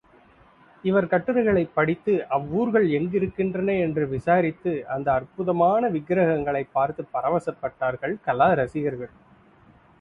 இவர் கட்டுரைகளைப் படித்து, அவ்வூர்கள் எங்கிருக்கின்றன என்று விசாரித்து, அந்த அற்புதமான விக்ரகங்களைப் பார்த்து பரவசப்பட்டார்கள் கலா ரசிகர்கள்.